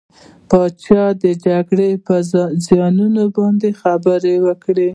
پاچا د جګرې په زيانونو باندې خبرې وکړې .